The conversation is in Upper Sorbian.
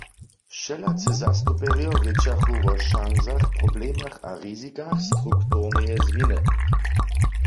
Wšelacy zastupjerjo rěčachu wo šansach, problemach a rizikach strukturneje změny.